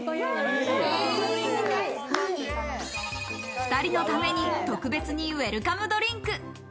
２人のために特別にウエルカムドリンク。